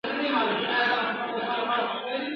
ما لیدله د کور ټوله شیان په سترګو !.